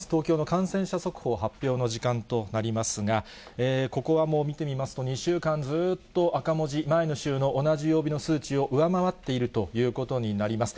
東京の感染者速報発表の時間となりますが、ここはもう見てみますと、２週間ずっと赤文字、前の週の同じ曜日の数値を上回っているということになります。